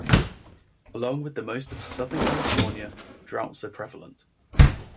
Along with most of Southern California, droughts are prevalent.